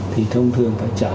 thì thông thường phải trả